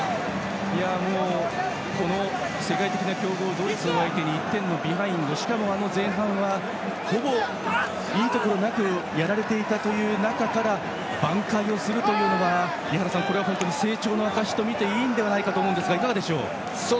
もう、この世界的な強豪ドイツ相手に１点のビハインド、しかも前半はほぼいいところなくやられていた中から挽回するのは、井原さん成長の証しとみていいのではないかと思いますがいかがでしょうか。